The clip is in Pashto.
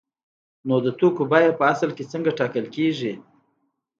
نو د توکو بیه په اصل کې څنګه ټاکل کیږي؟